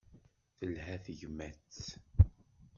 Telha tegmat.